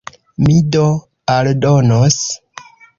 Mi do aldonos.